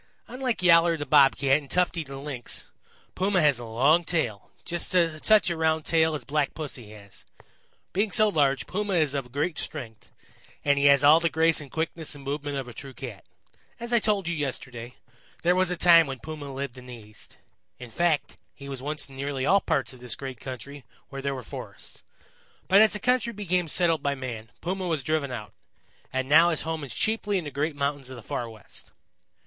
Unlike Yowler the Bob Cat and Tufty the Lynx, Puma has a long tail just such a round tail as Black Pussy has. Being so large, Puma is of great strength, and he has all the grace and quickness in movement of a true Cat. As I told you yesterday, there was a time when Puma lived in the East. In fact, he was once in nearly all parts of this great country where there were forests. But as the country became settled by man, Puma was driven out, and now his home is chiefly in the great mountains of the Far West.